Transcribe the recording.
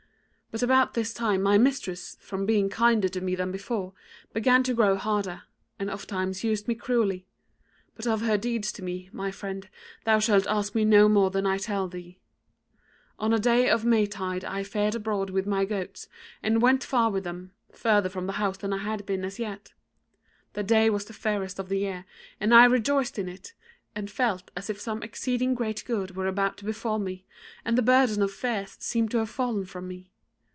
But about this time my mistress, from being kinder to me than before, began to grow harder, and ofttimes used me cruelly: but of her deeds to me, my friend, thou shalt ask me no more than I tell thee. On a day of May tide I fared abroad with my goats, and went far with them, further from the house than I had been as yet. The day was the fairest of the year, and I rejoiced in it, and felt as if some exceeding great good were about to befall me; and the burden of fears seemed to have fallen from me.